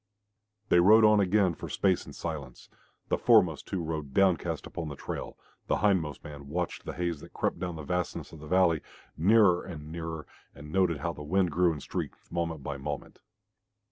They rode on again for a space in silence. The foremost two rode downcast upon the trail, the hindmost man watched the haze that crept down the vastness of the valley, nearer and nearer, and noted how the wind grew in strength moment by moment.